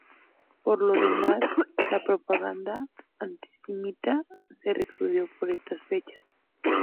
Por lo demás, la propaganda antisemita se recrudeció por esas fechas.